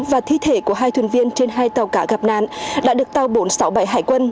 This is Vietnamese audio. và thi thể của hai thuyền viên trên hai tàu cá gặp nạn đã được tàu bốn trăm sáu mươi bảy hải quân